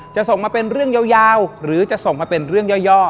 จะส่งมาเป็นเรื่องยาวหรือจะส่งมาเป็นเรื่องย่อ